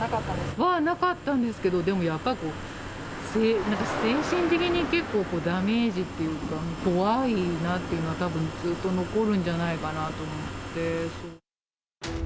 は、なかったんですけど、でもやっぱり精神的に結構ダメージっていうか、怖いなっていうのはずっと残るんじゃないかなと思って。